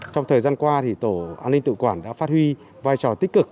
trong thời gian qua tổ an ninh tự quản đã phát huy vai trò tích cực